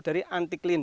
ini dari antiklin